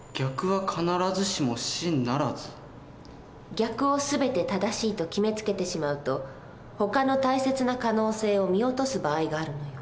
逆を全て正しいと決めつけてしまうとほかの大切な可能性を見落とす場合があるのよ。